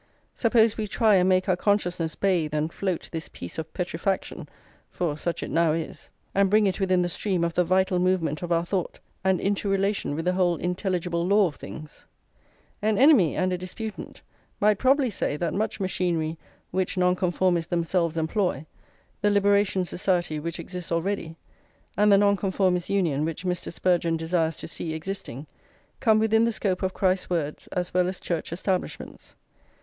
Suppose we try and make our consciousness bathe and float this piece of petrifaction, for such it now is, and bring it within the stream of the vital movement of our thought, and into relation with the whole intelligible law of things. An enemy and a disputant might probably say that much machinery which Nonconformists themselves employ, the Liberation Society which exists already, and the Nonconformist Union which Mr. Spurgeon desires to see existing, come within the scope of Christ's words as well as Church establishments.